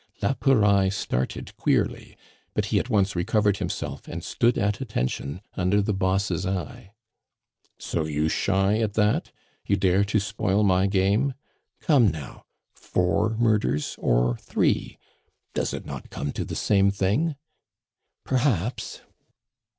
La Pouraille started queerly; but he at once recovered himself and stood at attention under the boss' eye. "So you shy at that? You dare to spoil my game? Come, now! Four murders or three. Does it not come to the same thing?" "Perhaps."